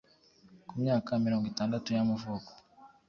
ku myaka mirongo itandatu y’amavuko,